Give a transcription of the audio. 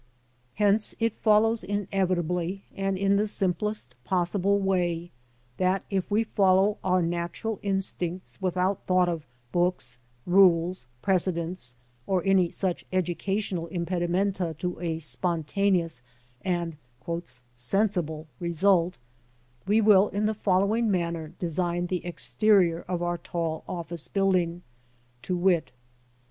Hence it follows inevitably, and in the simplest possible way, that if we follow our natural instincts without thought of books, rules, pre cedents, or any such educational impedimenta to a spontaneous and "sensible" result, we will in the following manner design the exterior of our tall office building, ŌĆö to wit : THE TALL OFFICE BUILDING ARTISTICALLY CONSIDERED.